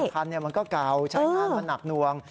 บางขั้นก็กาวใช้งานมันหนักนวง